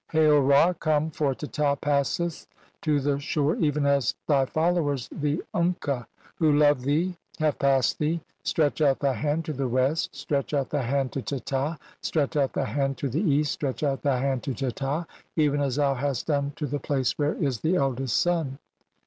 Hail, Ra, come, for Teta passeth to the shore "even as thy followers the Unka, who love thee, have "passed thee ; stretch out thy hand to the West, stretch "out thy hand to Teta, stretch out thy hand to the "East, stretch out thy hand to Teta, even as thou hast "done to the place where is thy eldest son."